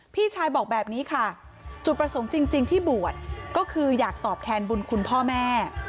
พี่ชายบอกแบบนี้ค่ะจุดประสงค์จริงที่บวชก็คืออยากตอบแทนบุญคุณพ่อแม่